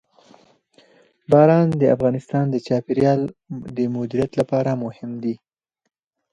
باران د افغانستان د چاپیریال د مدیریت لپاره مهم دي.